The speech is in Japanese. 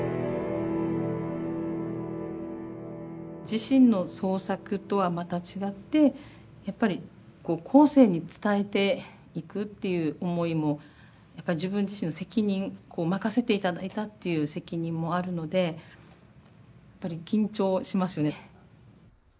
自身の創作とはまた違ってやっぱり後世に伝えていくっていう思いもやっぱ自分自身の責任任せて頂いたっていう責任もあるのでやっぱり緊張しますね。